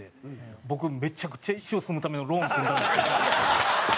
僕、めちゃくちゃ一生住むためのローン組んだんですよ。